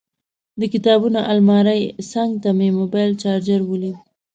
د کتابونو المارۍ څنګ ته مې موبایل چارجر ولید.